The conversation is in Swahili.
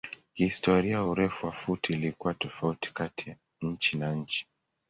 Kihistoria urefu wa futi ilikuwa tofauti kati nchi na nchi.